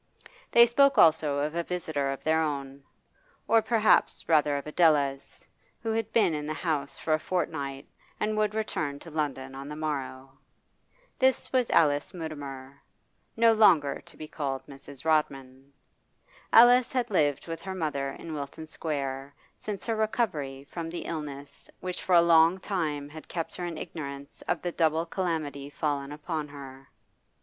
They spoke also of a visitor of their own, or, perhaps, rather of Adela's, who had been in the house for a fortnight and would return to London on the morrow. This was Alice Mutimer no longer to be called Mrs. Rodman. Alice had lived with her mother in Wilton Square since her recovery from the illness which for a long time had kept her in ignorance of the double calamity fallen upon her.